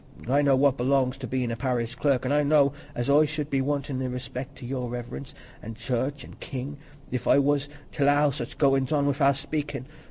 I know what belongs to bein' a parish clerk, and I know as I should be wantin' i' respect to Your Reverence, an' church, an' king, if I was t' allow such goins on wi'out speakin'.